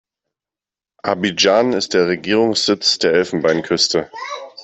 Abidjan ist der Regierungssitz der Elfenbeinküste.